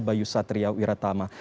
bayu satria wiratama